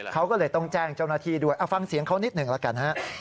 เค้าก็เลยต้องแจ้งจุณฐีด้วยเอาฟังเสียงเค้านิดหนึ่งแล้วกัน